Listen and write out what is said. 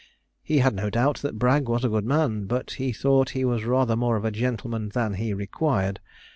He had no doubt that Bragg was a good man, but he thought he was rather more of a gentleman than he required.